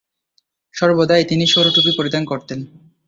সর্বদাই তিনি সৌর টুপি পরিধান করতেন।